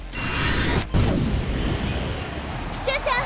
「」瞬ちゃん！